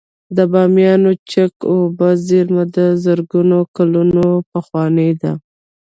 د بامیانو چک اوبو زیرمه د زرګونه کلونو پخوانۍ ده